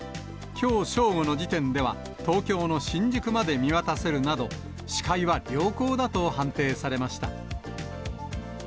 きょう正午の時点では、東京の新宿まで見渡せるなど、視界は良好だと判定されました。